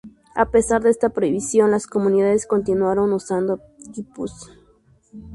A pesar de esta prohibición las comunidades continuaron usando quipus.